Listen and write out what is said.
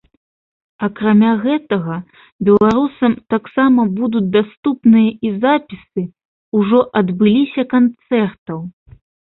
Акрамя гэтага беларусам таксама будуць даступныя і запісы ўжо адбыліся канцэртаў.